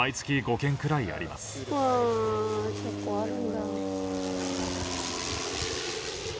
あ結構あるんだ。